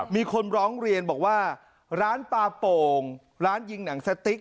มีคนร้องเรียนบอกว่าร้านปลาโป่งร้านยิงหนังสติ๊ก